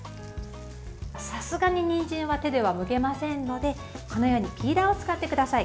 さすがににんじんは手ではむけませんのでピーラーを使ってください。